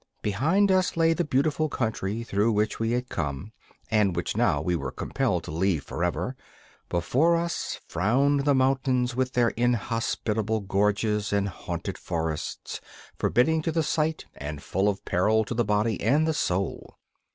Behind us lay the beautiful country through which we had come, and which now we were compelled to leave forever; before us frowned the mountains with their inhospitable gorges and haunted forests, forbidding to the sight and full of peril to the body and the soul.